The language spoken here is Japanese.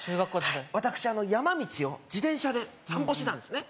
はい私山道を自転車で散歩してたんですね